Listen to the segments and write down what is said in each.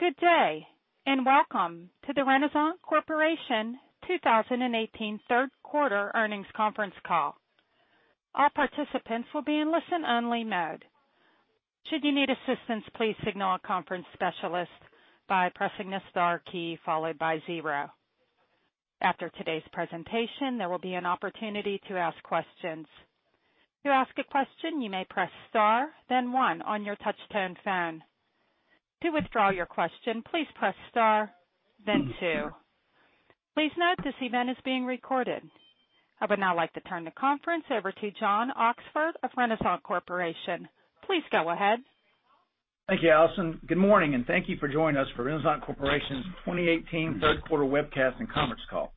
Good day, welcome to the Renasant Corporation 2018 third quarter earnings conference call. All participants will be in listen only mode. Should you need assistance, please signal a conference specialist by pressing the star key followed by 0. After today's presentation, there will be an opportunity to ask questions. To ask a question, you may press star then 1 on your touch-tone phone. To withdraw your question, please press star then 2. Please note this event is being recorded. I would now like to turn the conference over to John Oxford of Renasant Corporation. Please go ahead. Thank you, Allison. Good morning, thank you for joining us for Renasant Corporation's 2018 third quarter webcast and conference call.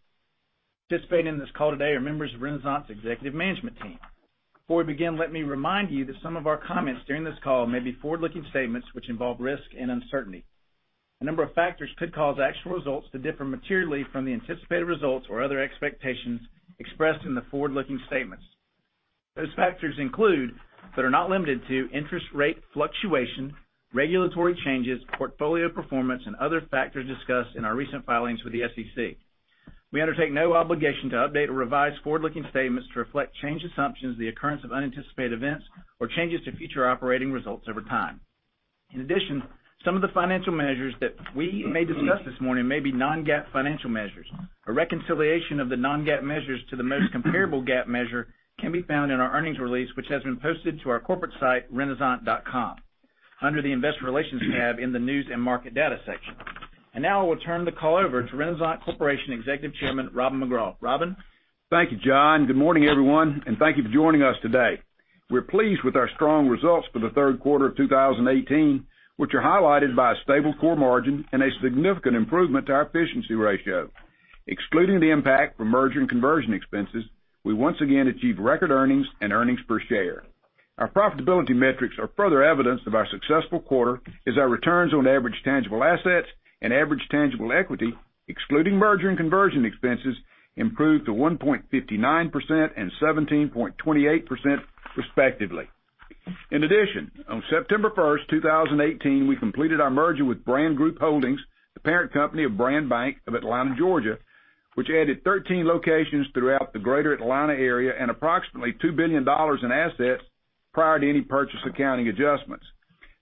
Participating in this call today are members of Renasant's executive management team. Before we begin, let me remind you that some of our comments during this call may be forward-looking statements which involve risk and uncertainty. A number of factors could cause actual results to differ materially from the anticipated results or other expectations expressed in the forward-looking statements. Those factors include, are not limited to, interest rate fluctuation, regulatory changes, portfolio performance, other factors discussed in our recent filings with the SEC. We undertake no obligation to update or revise forward-looking statements to reflect changed assumptions, the occurrence of unanticipated events, or changes to future operating results over time. In addition, some of the financial measures that we may discuss this morning may be non-GAAP financial measures. A reconciliation of the non-GAAP measures to the most comparable GAAP measure can be found in our earnings release, which has been posted to our corporate site, renasant.com, under the Investor Relations tab in the News & Market Data section. Now I will turn the call over to Renasant Corporation Executive Chairman Robin McGraw. Robin? Thank you, John. Good morning, everyone, thank you for joining us today. We're pleased with our strong results for the third quarter of 2018, which are highlighted by a stable core margin and a significant improvement to our efficiency ratio. Excluding the impact from merger and conversion expenses, we once again achieved record earnings and earnings per share. Our profitability metrics are further evidence of our successful quarter, as our returns on average tangible assets and average tangible equity, excluding merger and conversion expenses, improved to 1.59% and 17.28%, respectively. In addition, on September 1st, 2018, we completed our merger with Brand Group Holdings, the parent company of BrandBank of Atlanta, Georgia, which added 13 locations throughout the greater Atlanta area and approximately $2 billion in assets prior to any purchase accounting adjustments.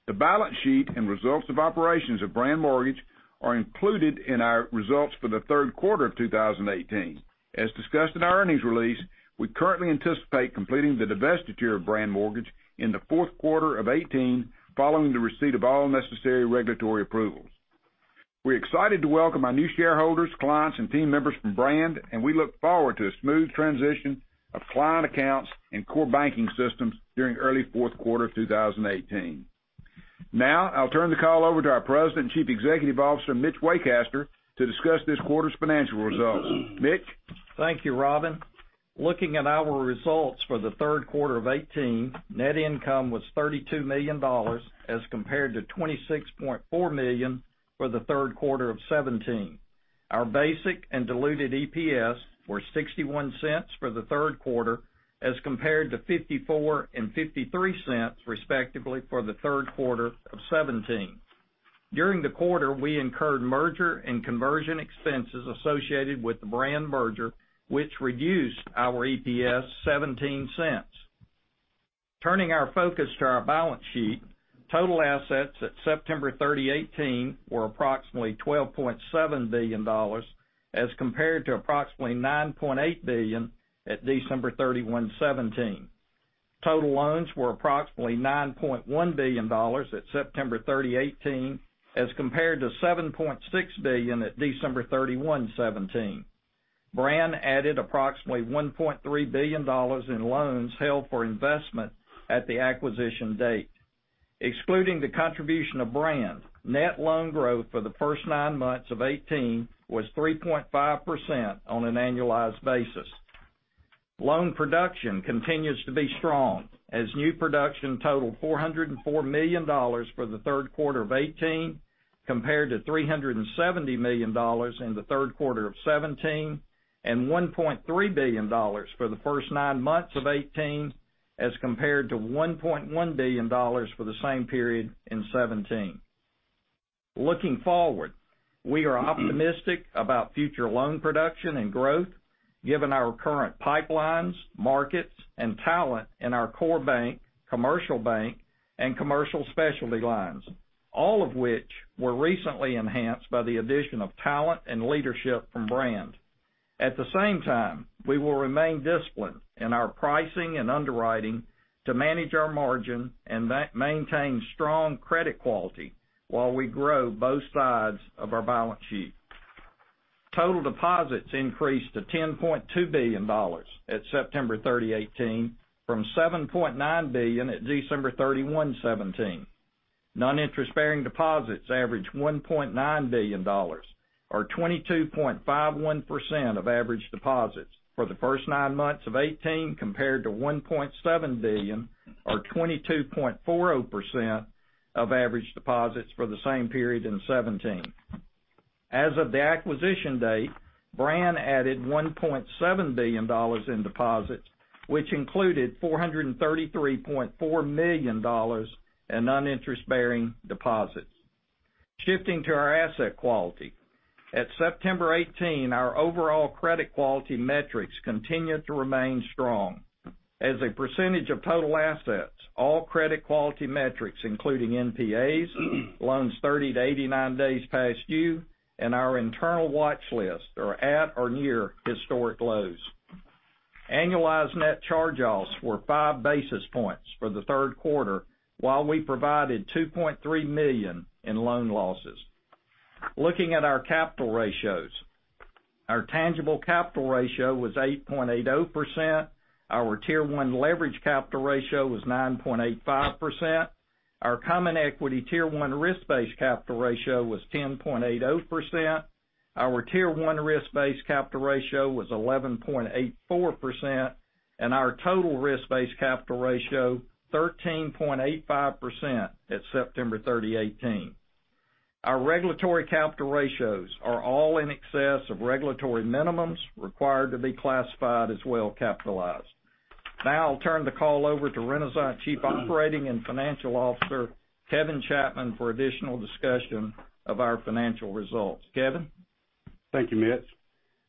The balance sheet and results of operations of Brand Mortgage are included in our results for the third quarter of 2018. As discussed in our earnings release, we currently anticipate completing the divestiture of Brand Mortgage in the fourth quarter of 2018, following the receipt of all necessary regulatory approvals. We are excited to welcome our new shareholders, clients, and team members from Brand, and we look forward to a smooth transition of client accounts and core banking systems during early fourth quarter of 2018. Now, I will turn the call over to our President and Chief Executive Officer, Mitch Waycaster, to discuss this quarter's financial results. Mitch? Thank you, Robin. Looking at our results for the third quarter of 2018, net income was $32 million as compared to $26.4 million for the third quarter of 2017. Our basic and diluted EPS were $0.61 for the third quarter, as compared to $0.54 and $0.53, respectively, for the third quarter of 2017. During the quarter, we incurred merger and conversion expenses associated with the Brand merger, which reduced our EPS $0.17. Turning our focus to our balance sheet, total assets at September 30, 2018 were approximately $12.7 billion as compared to approximately $9.8 billion at December 31, 2017. Total loans were approximately $9.1 billion at September 30, 2018 as compared to $7.6 billion at December 31, 2017. Brand added approximately $1.3 billion in loans held for investment at the acquisition date. Excluding the contribution of Brand, net loan growth for the first nine months of 2018 was 3.5% on an annualized basis. Loan production continues to be strong as new production totaled $404 million for the third quarter of 2018 compared to $370 million in the third quarter of 2017, and $1.3 billion for the first nine months of 2018 as compared to $1.1 billion for the same period in 2017. Looking forward, we are optimistic about future loan production and growth given our current pipelines, markets, and talent in our core bank, commercial bank, and commercial specialty lines, all of which were recently enhanced by the addition of talent and leadership from Brand. At the same time, we will remain disciplined in our pricing and underwriting to manage our margin and maintain strong credit quality while we grow both sides of our balance sheet. Total deposits increased to $10.2 billion at September 30, 2018 from $7.9 billion at December 31, 2017. Non-interest-bearing deposits averaged $1.9 billion, or 22.51% of average deposits for the first nine months of 2018 compared to $1.7 billion or 22.40% of average deposits for the same period in 2017. As of the acquisition date, Brand added $1.7 billion in deposits, which included $433.4 million in non-interest-bearing deposits. Shifting to our asset quality. At September 2018, our overall credit quality metrics continued to remain strong. As a percentage of total assets, all credit quality metrics, including NPAs, loans 30 to 89 days past due, and our internal watch list are at or near historic lows. Annualized net charge-offs were five basis points for the third quarter, while we provided $2.3 million in loan losses. Looking at our capital ratios, our tangible capital ratio was 8.80%, our Tier 1 leverage capital ratio was 9.85%, our common equity Tier 1 risk-based capital ratio was 10.80%, our Tier 1 risk-based capital ratio was 11.84%, and our total risk-based capital ratio 13.85% at September 30, 2018. Our regulatory capital ratios are all in excess of regulatory minimums required to be classified as well-capitalized. I'll turn the call over to Renasant Chief Operating and Financial Officer, Kevin Chapman, for additional discussion of our financial results. Kevin? Thank you, Mitch.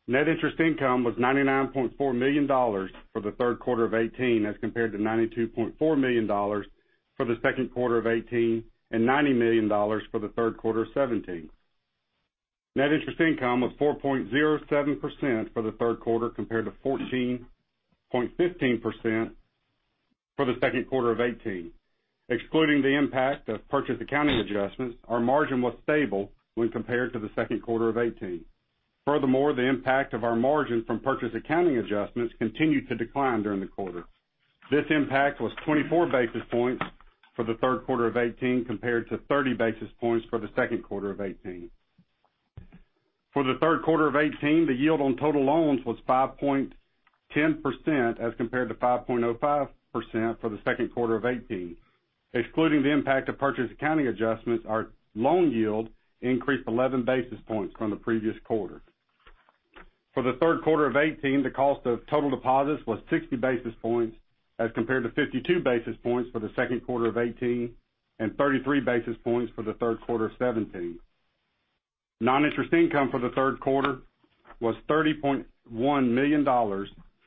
Net interest income was $99.4 million for the third quarter of 2018 as compared to $92.4 million for the second quarter of 2018 and $90 million for the third quarter of 2017. Net interest income was 4.07% for the third quarter, compared to 4.15% for the second quarter of 2018. Excluding the impact of purchase accounting adjustments, our margin was stable when compared to the second quarter of 2018. Furthermore, the impact of our margin from purchase accounting adjustments continued to decline during the quarter. This impact was 24 basis points for the third quarter of 2018, compared to 30 basis points for the second quarter of 2018. For the third quarter of 2018, the yield on total loans was 5.10%, as compared to 5.05% for the second quarter of 2018. Excluding the impact of purchase accounting adjustments, our loan yield increased 11 basis points from the previous quarter. For the third quarter of 2018, the cost of total deposits was 60 basis points as compared to 52 basis points for the second quarter of 2018 and 33 basis points for the third quarter of 2017. Non-interest income for the third quarter was $38.1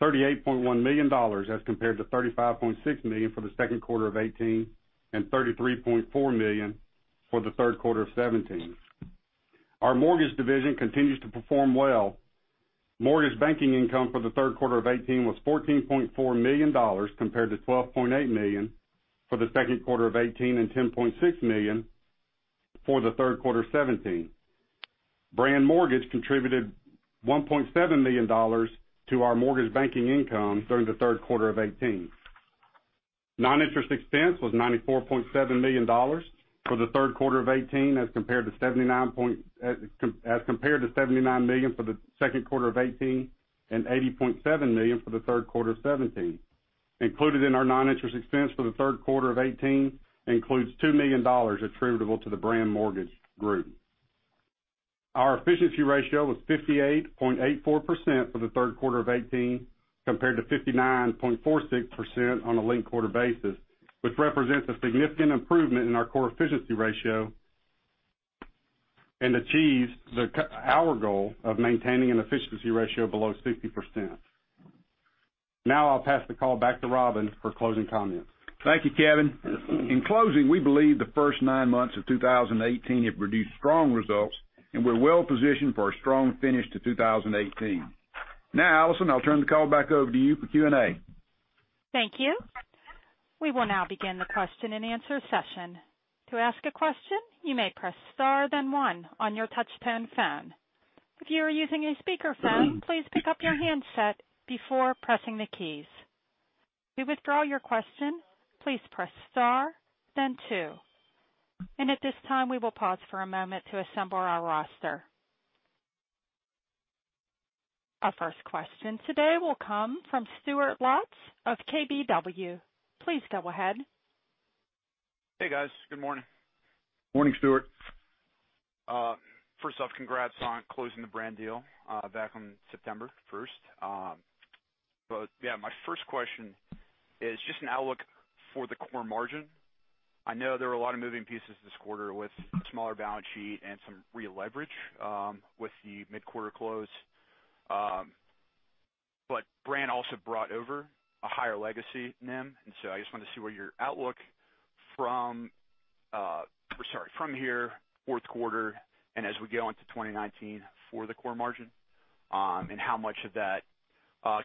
million as compared to $35.6 million for the second quarter of 2018 and $33.4 million for the third quarter of 2017. Our mortgage division continues to perform well. Mortgage banking income for the third quarter of 2018 was $14.4 million, compared to $12.8 million for the second quarter of 2018 and $10.6 million for the third quarter of 2017. BrandMortgage Group contributed $1.7 million to our mortgage banking income during the third quarter of 2018. Non-interest expense was $94.7 million for the third quarter of 2018 as compared to $79 million for the second quarter of 2018 and $80.7 million for the third quarter of 2017. Included in our non-interest expense for the third quarter of 2018, includes $2 million attributable to the BrandMortgage Group. Our efficiency ratio was 58.84% for the third quarter of 2018, compared to 59.46% on a linked quarter basis, which represents a significant improvement in our core efficiency ratio and achieves our goal of maintaining an efficiency ratio below 60%. I'll pass the call back to Robin for closing comments. Thank you, Kevin. In closing, we believe the first nine months of 2018 have produced strong results, and we're well-positioned for a strong finish to 2018. Allison, I'll turn the call back over to you for Q&A. Thank you. We will now begin the question and answer session. To ask a question, you may press star then one on your touch tone phone. If you are using a speakerphone, please pick up your handset before pressing the keys. To withdraw your question, please press star then two. At this time, we will pause for a moment to assemble our roster. Our first question today will come from Stuart Lotz of KBW. Please go ahead. Hey, guys. Good morning. Morning, Stuart. First off, congrats on closing the Brand deal back on September 1st. Yeah, my first question is just an outlook for the core margin. I know there are a lot of moving pieces this quarter with a smaller balance sheet and some re-leverage with the mid-quarter close. Brand also brought over a higher legacy NIM. I just wanted to see where your outlook from here, fourth quarter, and as we go into 2019 for the core margin, and how much of that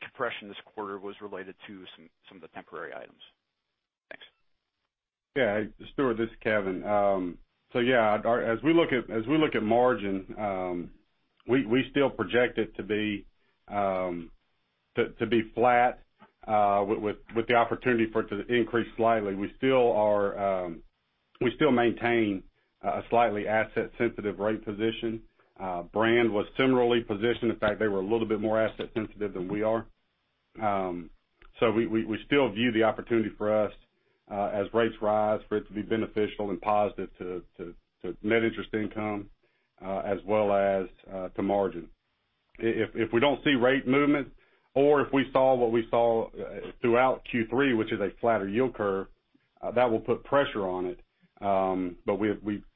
compression this quarter was related to some of the temporary items. Thanks. Yeah, Stuart, this is Kevin. Yeah, as we look at margin, we still project it to be flat with the opportunity for it to increase slightly. We still maintain a slightly asset-sensitive rate position. Brand was similarly positioned. In fact, they were a little bit more asset sensitive than we are. We still view the opportunity for us, as rates rise, for it to be beneficial and positive to net interest income as well as to margin. If we don't see rate movement or if we saw what we saw throughout Q3, which is a flatter yield curve, that will put pressure on it.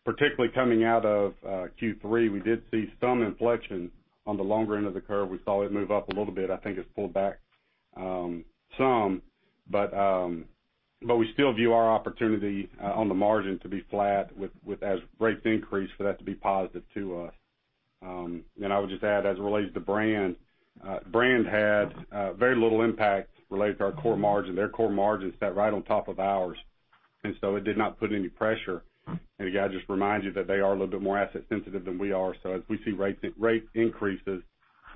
Particularly coming out of Q3, we did see some inflection on the longer end of the curve. We saw it move up a little bit. I think it's pulled back some. We still view our opportunity on the margin to be flat as rates increase for that to be positive to us. I would just add, as it relates to Brand had very little impact related to our core margin. Their core margin sat right on top of ours. It did not put any pressure. Again, I just remind you that they are a little bit more asset sensitive than we are. As we see rate increases,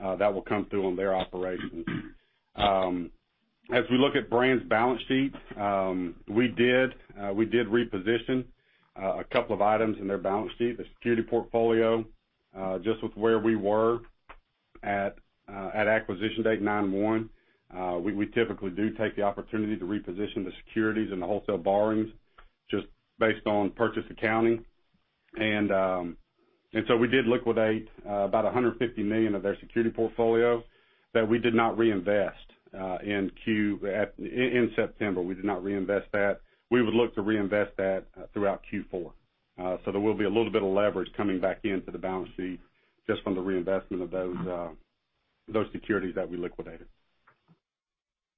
that will come through on their operations. As we look at Brand's balance sheet, we did reposition a couple of items in their balance sheet, the security portfolio, just with where we were at acquisition date 9/1. We typically do take the opportunity to reposition the securities and the wholesale borrowings, just based on purchase accounting. We did liquidate about $150 million of their security portfolio that we did not reinvest in September. We did not reinvest that. We would look to reinvest that throughout Q4. There will be a little bit of leverage coming back into the balance sheet, just from the reinvestment of those securities that we liquidated.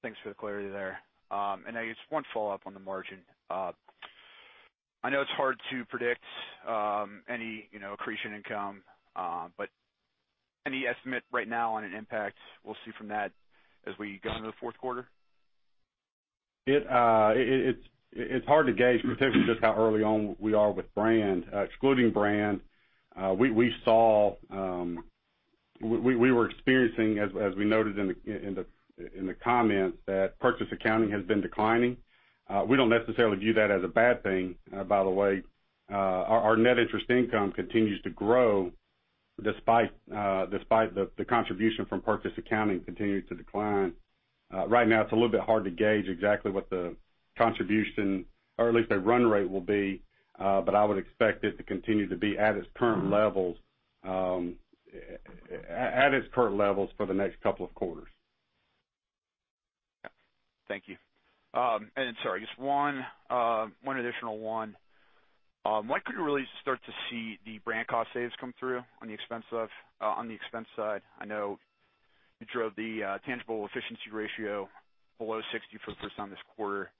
Thanks for the clarity there. Just one follow-up on the margin. I know it is hard to predict any accretion income, but any estimate right now on an impact we will see from that as we go into the fourth quarter? It is hard to gauge, particularly just how early on we are with Brand. Excluding Brand, we were experiencing, as we noted in the comments, that purchase accounting has been declining. We do not necessarily view that as a bad thing, by the way. Our net interest income continues to grow despite the contribution from purchase accounting continuing to decline. Right now, it is a little bit hard to gauge exactly what the contribution, or at least a run rate, will be, but I would expect it to continue to be at its current levels for the next couple of quarters. Thank you. Sorry, just one additional one. When could we really start to see the Brand cost saves come through on the expense side? I know you drove the tangible efficiency ratio below 60 for the first time this quarter.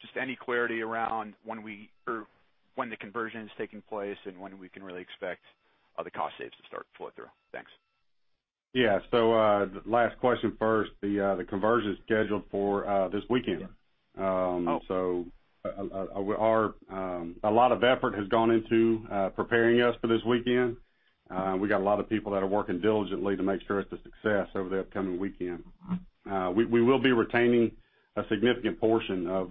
Just any clarity around when the conversion is taking place and when we can really expect the cost saves to start to flow through. Thanks. Yeah. The last question first, the conversion is scheduled for this weekend. Okay. A lot of effort has gone into preparing us for this weekend. We got a lot of people that are working diligently to make sure it's a success over the upcoming weekend. We will be retaining a significant portion of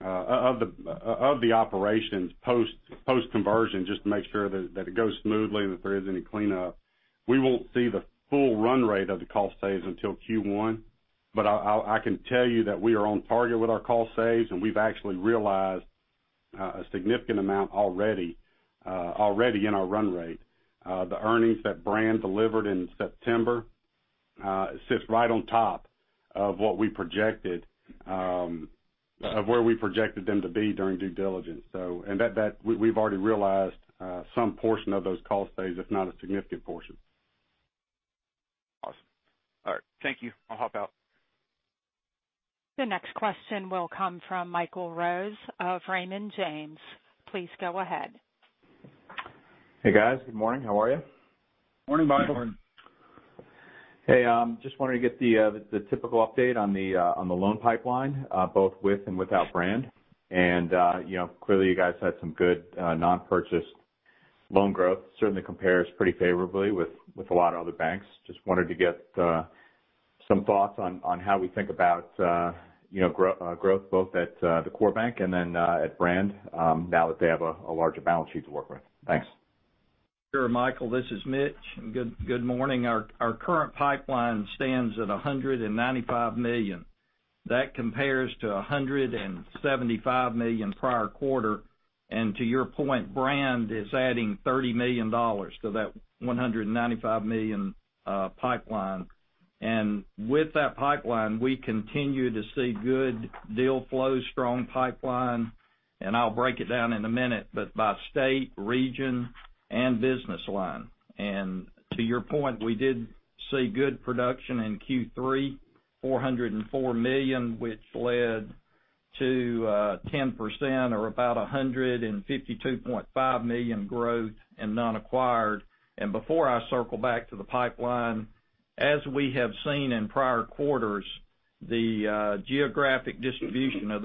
the operations post-conversion, just to make sure that it goes smoothly and that there isn't any cleanup. We won't see the full run rate of the cost saves until Q1. I can tell you that we are on target with our cost saves, and we've actually realized a significant amount already in our run rate. The earnings that Brand delivered in September sits right on top of where we projected them to be during due diligence. We've already realized some portion of those cost saves, if not a significant portion. Awesome. All right. Thank you. I'll hop out. The next question will come from Michael Rose of Raymond James. Please go ahead. Hey, guys. Good morning. How are you? Morning, Michael. Morning. Hey, just wanted to get the typical update on the loan pipeline, both with and without Brand. Clearly you guys had some good non-purchase loan growth. Certainly compares pretty favorably with a lot of other banks. Just wanted to get some thoughts on how we think about growth both at the core bank and then at Brand now that they have a larger balance sheet to work with. Thanks. Sure, Michael, this is Mitch. Good morning. Our current pipeline stands at $195 million. That compares to $175 million prior quarter. To your point, Brand is adding $30 million to that $195 million pipeline. With that pipeline, we continue to see good deal flow, strong pipeline, and I'll break it down in a minute, but by state, region, and business line. To your point, we did see good production in Q3, $404 million, which led to 10% or about $152.5 million growth in non-acquired. Before I circle back to the pipeline, as we have seen in prior quarters, the geographic distribution of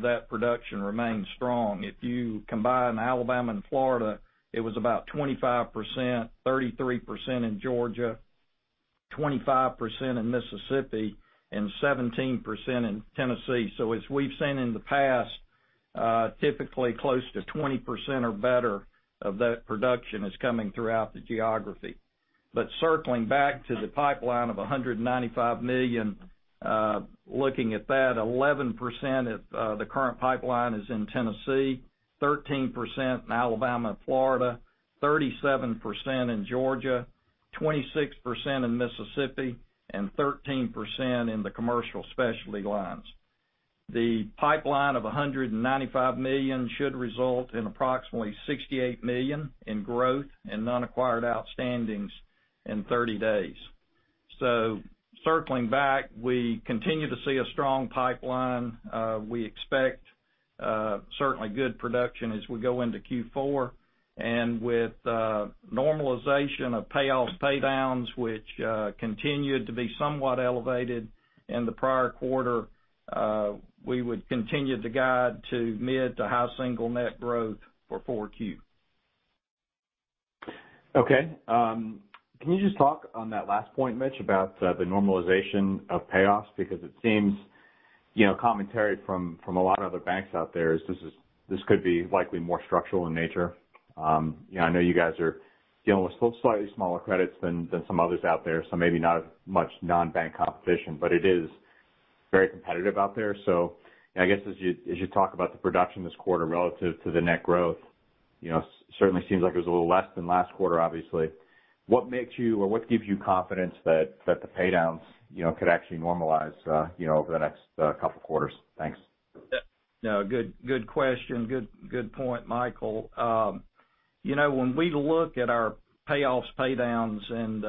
that production remains strong. If you combine Alabama and Florida, it was about 25%, 33% in Georgia, 25% in Mississippi, and 17% in Tennessee. As we've seen in the past. Typically close to 20% or better of that production is coming throughout the geography. Circling back to the pipeline of $195 million, looking at that, 11% of the current pipeline is in Tennessee, 13% in Alabama and Florida, 37% in Georgia, 26% in Mississippi, and 13% in the commercial specialty lines. The pipeline of $195 million should result in approximately $68 million in growth and non-acquired outstandings in 30 days. Circling back, we continue to see a strong pipeline. We expect certainly good production as we go into Q4. With normalization of payoffs, pay downs, which continued to be somewhat elevated in the prior quarter, we would continue to guide to mid to high single net growth for 4Q. Okay. Can you just talk on that last point, Mitch, about the normalization of payoffs? It seems commentary from a lot of other banks out there is this could be likely more structural in nature. I know you guys are dealing with slightly smaller credits than some others out there, so maybe not as much non-bank competition, but it is very competitive out there. I guess as you talk about the production this quarter relative to the net growth, certainly seems like it was a little less than last quarter, obviously. What makes you or what gives you confidence that the pay downs could actually normalize over the next couple quarters? Thanks. Yeah. Good question. Good point, Michael. When we look at our payoffs, pay downs, and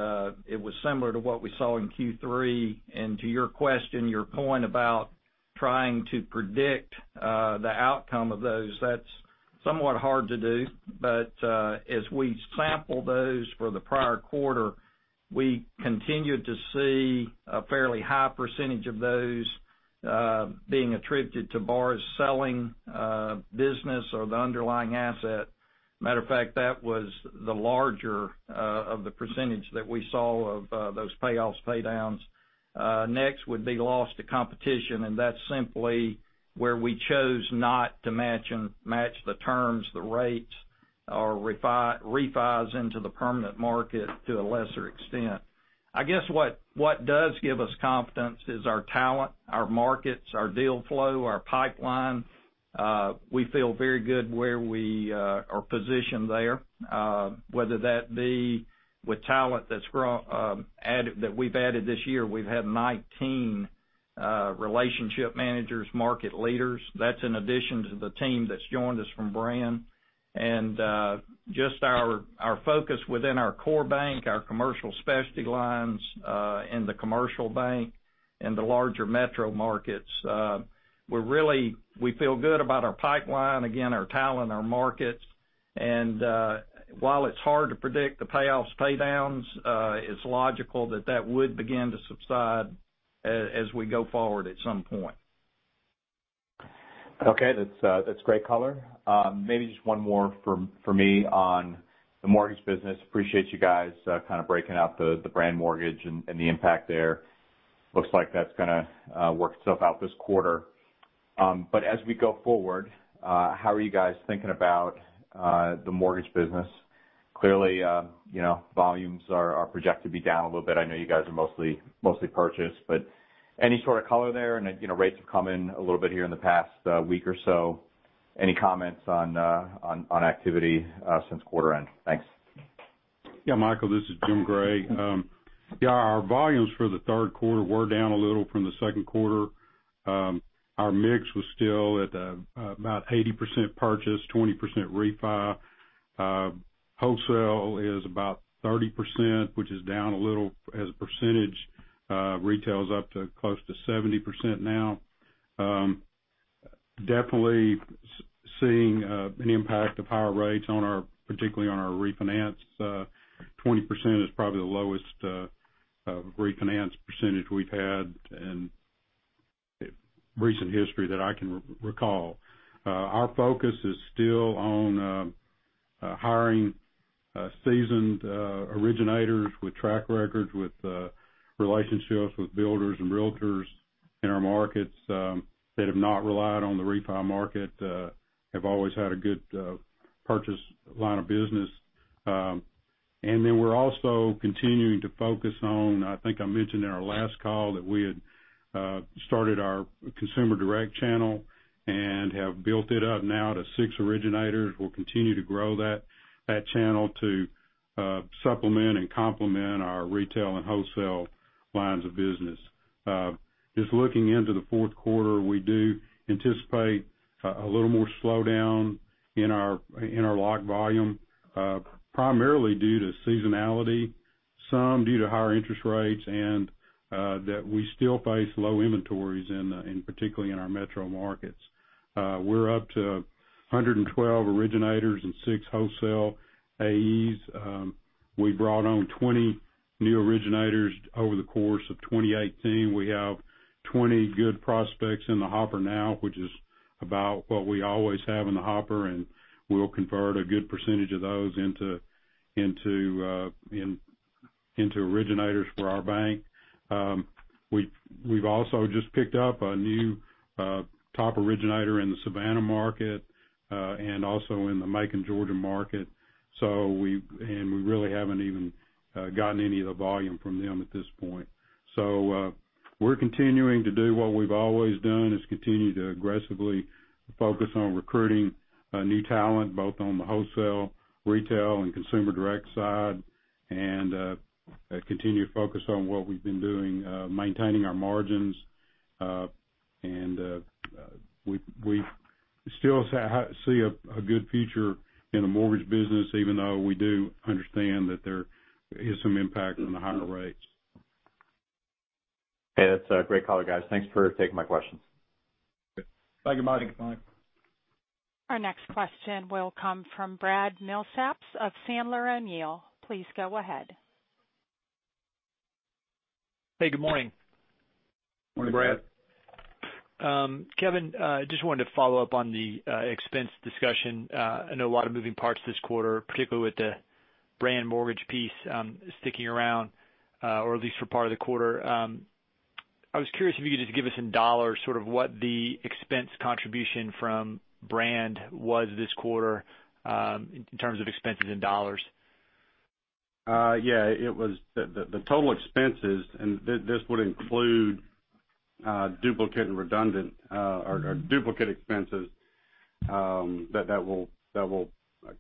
it was similar to what we saw in Q3, and to your question, your point about trying to predict the outcome of those, that's somewhat hard to do. As we sample those for the prior quarter, we continued to see a fairly high percentage of those being attributed to borrowers selling business or the underlying asset. Matter of fact, that was the larger of the percentage that we saw of those payoffs, pay downs. Next would be loss to competition, and that's simply where we chose not to match the terms, the rates, or refis into the permanent market to a lesser extent. I guess what does give us confidence is our talent, our markets, our deal flow, our pipeline. We feel very good where we are positioned there, whether that be with talent that we've added this year. We've had 19 relationship managers, market leaders. That's in addition to the team that's joined us from Brand. Just our focus within our core bank, our commercial specialty lines in the commercial bank, and the larger metro markets. We feel good about our pipeline, again, our talent, our markets. While it's hard to predict the payoffs, pay downs, it's logical that that would begin to subside as we go forward at some point. Okay. That's great color. Maybe just one more from me on the mortgage business. Appreciate you guys kind of breaking out the BrandMortgage Group and the impact there. Looks like that's going to work itself out this quarter. As we go forward, how are you guys thinking about the mortgage business? Clearly, volumes are projected to be down a little bit. I know you guys are mostly purchase, but any sort of color there? Rates have come in a little bit here in the past week or so. Any comments on activity since quarter end? Thanks. Michael, this is Jim Gray. Our volumes for the third quarter were down a little from the second quarter. Our mix was still at about 80% purchase, 20% refi. Wholesale is about 30%, which is down a little as a percentage. Retail's up to close to 70% now. Definitely seeing an impact of higher rates, particularly on our refinance. 20% is probably the lowest refinance percentage we've had in recent history that I can recall. Our focus is still on hiring seasoned originators with track records, with relationships with builders and realtors in our markets that have not relied on the refi market, have always had a good purchase line of business. We're also continuing to focus on, I think I mentioned in our last call, that we had started our consumer direct channel and have built it up now to six originators. We'll continue to grow that channel to supplement and complement our retail and wholesale lines of business. Just looking into the fourth quarter, we do anticipate a little more slowdown in our lock volume, primarily due to seasonality, some due to higher interest rates, and that we still face low inventories, particularly in our metro markets. We're up to 112 originators and six wholesale AEs. We brought on 20 new originators over the course of 2018. We have 20 good prospects in the hopper now, which is about what we always have in the hopper, and we'll convert a good percentage of those into originators for our bank. We've also just picked up a new top originator in the Savannah market, and also in the Macon, Georgia market. We really haven't even gotten any of the volume from them at this point. We're continuing to do what we've always done, is continue to aggressively focus on recruiting new talent, both on the wholesale, retail, and consumer direct side, and continue to focus on what we've been doing, maintaining our margins. We still see a good future in the mortgage business, even though we do understand that there is some impact on the higher rates. Okay. That's a great call, guys. Thanks for taking my questions. Good. Thank you, Mike. Thank you, Mike. Our next question will come from Brad Milsaps of Sandler O'Neill. Please go ahead. Hey, good morning. Morning, Brad. Kevin, just wanted to follow up on the expense discussion. I know a lot of moving parts this quarter, particularly with the BrandMortgage Group piece sticking around, or at least for part of the quarter. I was curious if you could just give us, in dollars, what the expense contribution from Brand was this quarter, in terms of expenses in dollars? Yeah. The total expenses, and this would include duplicate and redundant or duplicate expenses, that will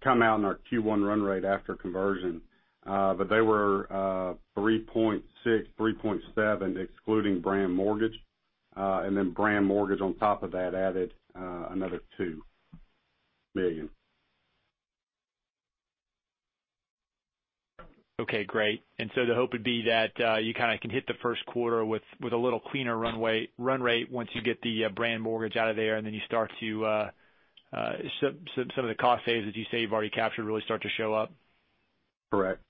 come out in our Q1 run rate after conversion. They were $3.6 million, $3.7 million, excluding BrandMortgage Group, and then BrandMortgage Group on top of that added another $2 million. Okay, great. The hope would be that you kind of can hit the first quarter with a little cleaner run rate once you get the BrandMortgage Group out of there and then some of the cost saves that you say you've already captured really start to show up. Correct.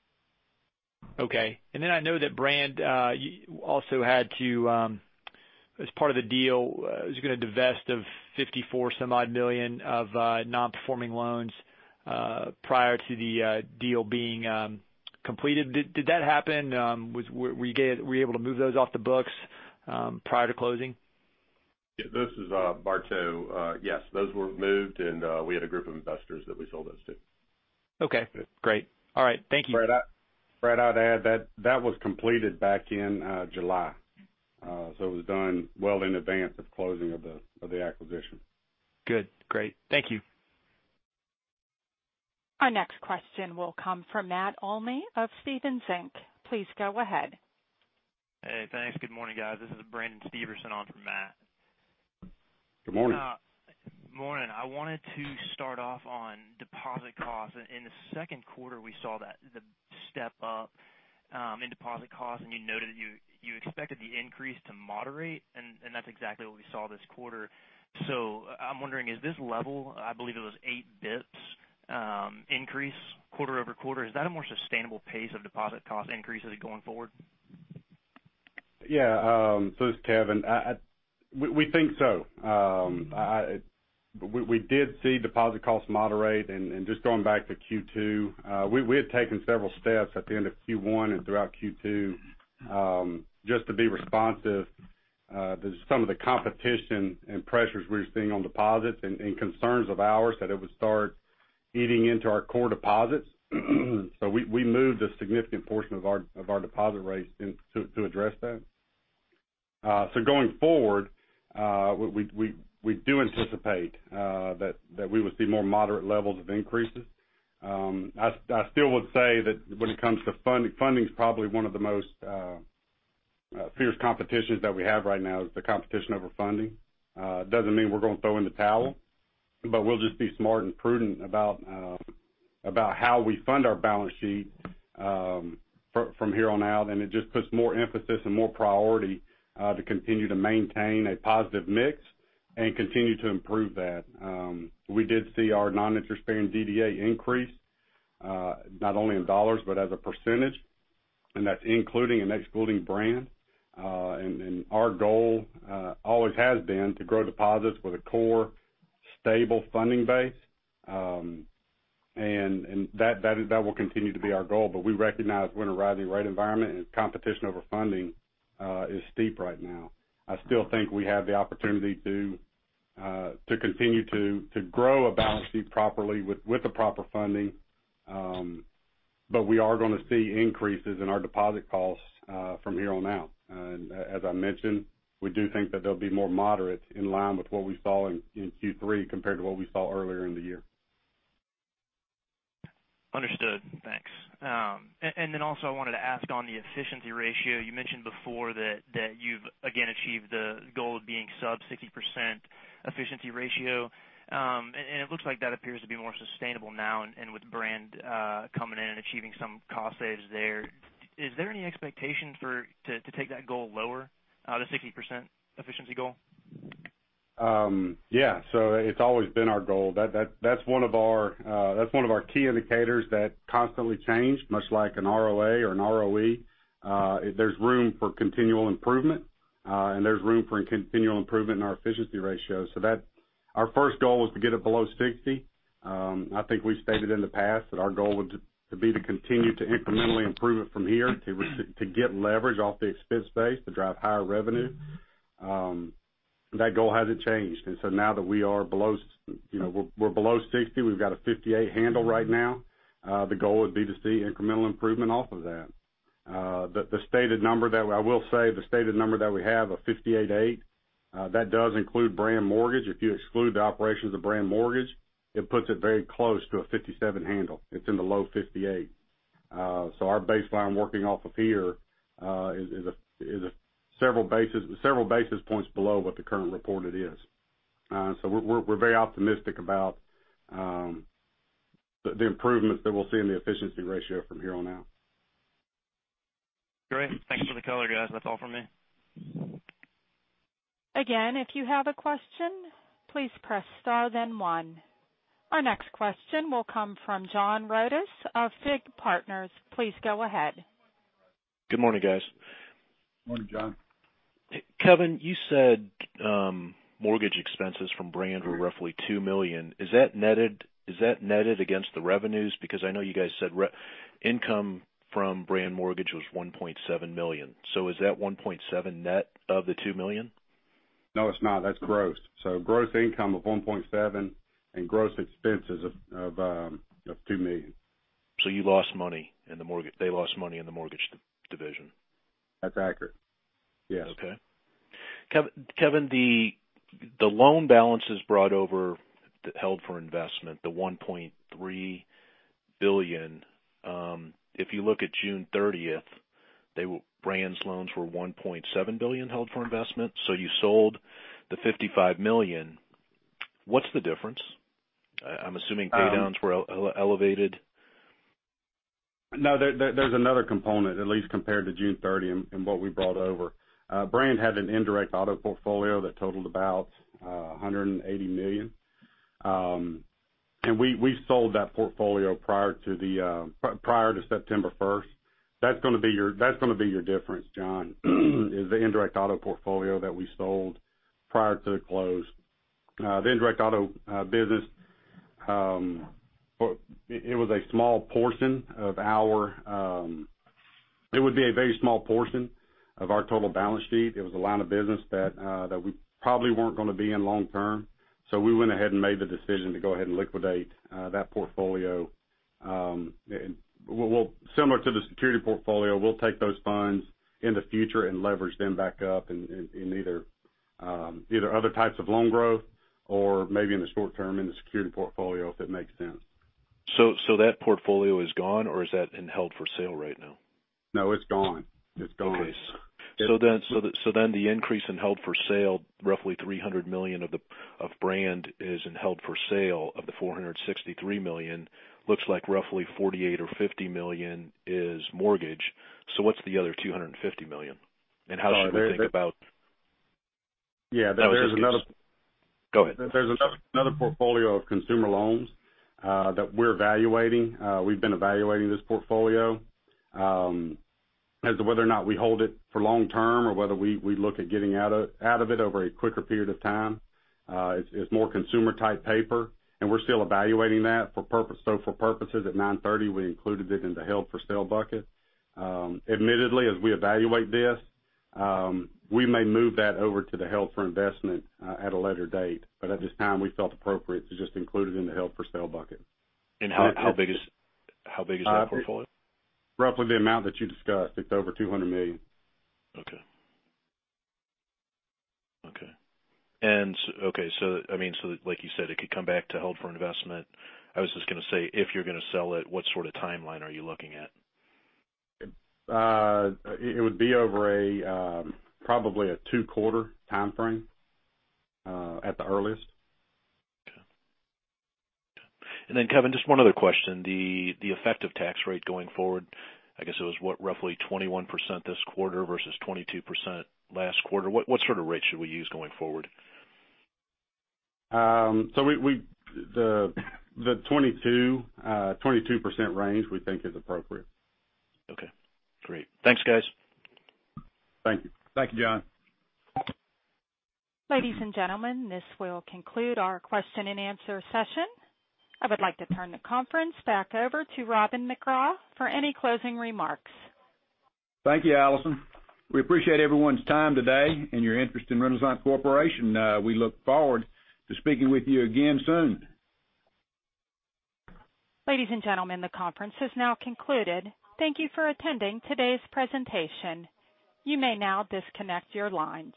Okay. I know that Brand, also had to, as part of the deal, was going to divest of $54 some odd million of non-performing loans prior to the deal being completed. Did that happen? Were you able to move those off the books prior to closing? Yeah. This is Bartow. Yes, those were moved, and we had a group of investors that we sold those to. Okay, great. All right. Thank you. Brad, I'd add that was completed back in July. It was done well in advance of closing of the acquisition. Good, great. Thank you. Our next question will come from Matt Olney of Stephens Inc.. Please go ahead. Hey, thanks. Good morning, guys. This is Brandon Stevenson on for Matt. Good morning. Morning. I wanted to start off on deposit costs. In the second quarter, we saw the step up in deposit costs, and you noted you expected the increase to moderate, and that's exactly what we saw this quarter. I'm wondering, is this level, I believe it was eight basis points increase quarter-over-quarter, is that a more sustainable pace of deposit cost increases going forward? This is Kevin. We think so. We did see deposit costs moderate. Just going back to Q2, we had taken several steps at the end of Q1 and throughout Q2, just to be responsive. There's some of the competition and pressures we were seeing on deposits and concerns of ours that it would start eating into our core deposits. We moved a significant portion of our deposit rates to address that. Going forward, we do anticipate that we would see more moderate levels of increases. I still would say that when it comes to funding's probably one of the most fierce competitions that we have right now, is the competition over funding. Doesn't mean we're going to throw in the towel, but we'll just be smart and prudent about how we fund our balance sheet from here on out, and it just puts more emphasis and more priority to continue to maintain a positive mix and continue to improve that. We did see our non-interest bearing DDA increase, not only in dollars, but as a percentage, and that's including and excluding Brand. Our goal always has been to grow deposits with a core stable funding base. That will continue to be our goal, but we recognize we're in a rising rate environment, and competition over funding is steep right now. I still think we have the opportunity to continue to grow a balance sheet properly with the proper funding, but we are going to see increases in our deposit costs from here on out. As I mentioned, we do think that they'll be more moderate in line with what we saw in Q3 compared to what we saw earlier in the year. Understood. Thanks. I wanted to ask on the efficiency ratio, you mentioned before that you've again achieved the goal of being sub 60% efficiency ratio. It looks like that appears to be more sustainable now and with Brand coming in and achieving some cost saves there. Is there any expectation to take that goal lower, the 60% efficiency goal? Yeah. It's always been our goal. That's one of our key indicators that constantly change, much like an ROA or an ROE. There's room for continual improvement, and there's room for continual improvement in our efficiency ratio. Our first goal was to get it below 60. I think we stated in the past that our goal would be to continue to incrementally improve it from here to get leverage off the expense base to drive higher revenue. That goal hasn't changed. Now that we're below 60, we've got a 58 handle right now. The goal would be to see incremental improvement off of that. I will say, the stated number that we have of 58.8, that does include BrandMortgage Group. If you exclude the operations of BrandMortgage Group, it puts it very close to a 57 handle. It's in the low 58. Our baseline working off of here is several basis points below what the current reported is. We're very optimistic about the improvements that we'll see in the efficiency ratio from here on out. Great. Thanks for the color, guys. That's all from me. Again, if you have a question, please press star, then one. Our next question will come from John Rodis of FIG Partners. Please go ahead. Good morning, guys. Morning, John. Kevin, you said mortgage expenses from Brand were roughly $2 million. Is that netted against the revenues? I know you guys said income from BrandMortgage Group was $1.7 million. Is that $1.7 net of the $2 million? No, it's not. That's gross. Gross income of $1.7 and gross expenses of $2 million. They lost money in the mortgage division. That's accurate. Yes. Okay. Kevin, the loan balances brought over, held for investment, the $1.3 billion. If you look at June 30th, Brand's loans were $1.7 billion held for investment. You sold the $55 million. What's the difference? I'm assuming paydowns were elevated. No, there's another component, at least compared to June 30th, in what we brought over. Brand had an indirect auto portfolio that totaled about $180 million, and we sold that portfolio prior to September 1st. That's going to be your difference, John, is the indirect auto portfolio that we sold prior to the close. The indirect auto business, it would be a very small portion of our total balance sheet. It was a line of business that we probably weren't going to be in long term, we went ahead and made the decision to go ahead and liquidate that portfolio. Similar to the security portfolio, we'll take those funds in the future and leverage them back up in either other types of loan growth or maybe in the short term, in the security portfolio, if it makes sense. that portfolio is gone, or is that in held for sale right now? No, it's gone. Okay. the increase in held for sale, roughly $300 million of Brand is in held for sale of the $463 million. Looks like roughly $48 or $50 million is mortgage. what's the other $250 million? how should we think about Yeah. There's another Go ahead. There's another portfolio of consumer loans that we're evaluating. We've been evaluating this portfolio as to whether or not we hold it for long term or whether we look at getting out of it over a quicker period of time. It's more consumer type paper, and we're still evaluating that. For purposes, at 9:30, we included it in the held for sale bucket. Admittedly, as we evaluate this, we may move that over to the held for investment at a later date. At this time, we felt appropriate to just include it in the held for sale bucket. How big is that portfolio? Roughly the amount that you discussed. It's over $200 million. Like you said, it could come back to held for investment. I was just going to say, if you're going to sell it, what sort of timeline are you looking at? It would be over probably a two-quarter timeframe at the earliest. Okay. Kevin, just one other question. The effective tax rate going forward, I guess it was, what, roughly 21% this quarter versus 22% last quarter. What sort of rate should we use going forward? The 22% range we think is appropriate. Okay, great. Thanks, guys. Thank you. Thank you, John. Ladies and gentlemen, this will conclude our question and answer session. I would like to turn the conference back over to Robin McGraw for any closing remarks. Thank you, Allison. We appreciate everyone's time today and your interest in Renasant Corporation. We look forward to speaking with you again soon. Ladies and gentlemen, the conference has now concluded. Thank you for attending today's presentation. You may now disconnect your lines.